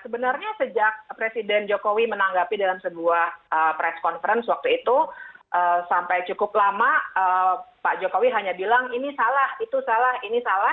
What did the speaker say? sebenarnya sejak presiden jokowi menanggapi dalam sebuah press conference waktu itu sampai cukup lama pak jokowi hanya bilang ini salah itu salah ini salah